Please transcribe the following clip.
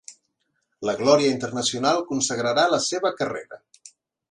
La glòria internacional consagrarà la seva carrera.